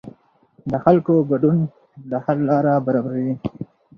د خلکو ګډون د حل لاره برابروي